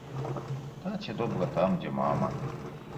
Таце добра там, дзе мама.